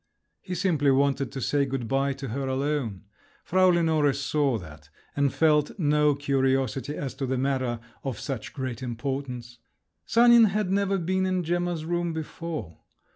He simply wanted to say good bye to her alone. Frau Lenore saw that, and felt no curiosity as to the matter of such great importance. Sanin had never been in Gemma's room before.